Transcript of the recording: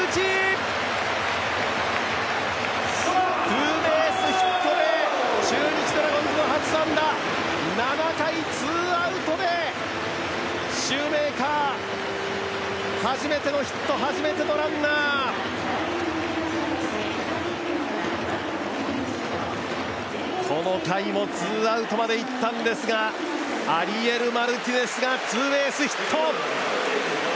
ツーベースヒットでドラゴンズ７回、ツーアウトでシューメーカー、初めてのヒット、初めてのランナーこの回もツーアウトまでいったんですがアリエル・マルティネスがツーベースヒット。